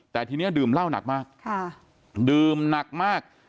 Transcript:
แต่ทีนี้ดื่มเหล้าหนักมากดื่มหนักมาก